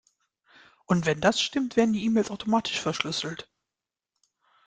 Und wenn das stimmt, werden die E-Mails automatisch verschlüsselt.